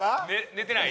寝てない？